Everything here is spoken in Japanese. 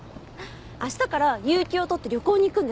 明日から有休を取って旅行に行くんです。